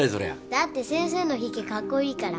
だって先生のひげカッコイイから